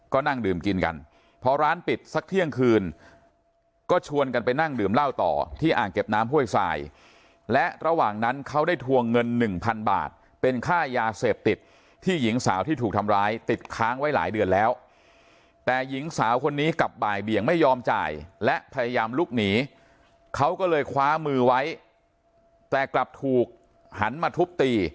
ก็นั่งดื่มกินกันพอร้านปิดสักเที่ยงคืนก็ชวนกันไปนั่งดื่มเหล้าต่อที่อ่างเก็บน้ำห้วยทรายและระหว่างนั้นเขาได้ทวงเงินหนึ่งพันบาทเป็นค่ายาเสพติดที่หญิงสาวที่ถูกทำร้ายติดค้างไว้หลายเดือนแล้วแต่หญิงสาวคนนี้กลับบ่ายเบี่ยงไม่ยอมจ่ายและพยายามลุกหนีเขาก็เลยคว้ามือไว้แต่กลับถูกหันมาทุบตี